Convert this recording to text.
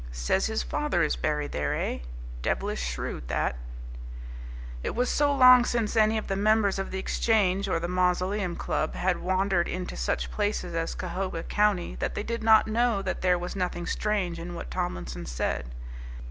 "Says his father is buried there, eh? Devilish shrewd that!" It was so long since any of the members of the Exchange or the Mausoleum Club had wandered into such places as Cahoga County that they did not know that there was nothing strange in what Tomlinson said.